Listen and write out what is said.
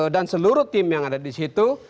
dan seluruh tim yang ada di situ